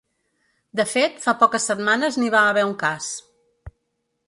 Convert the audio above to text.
De fet, fa poques setmanes, n’hi va haver un cas.